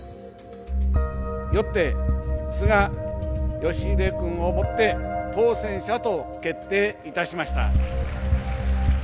よって菅義偉君をもって当選者と決定いたしました。